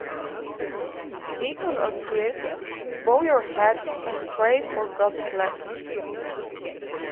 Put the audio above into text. Deacon or Priest: Bow your heads and pray for God's blessing.